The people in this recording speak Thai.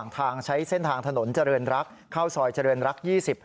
ทางใช้เส้นทางถนนเจริญรักษ์เข้าซอยเจริญรัก๒๐